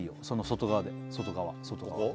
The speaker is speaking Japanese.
その外側で外側外側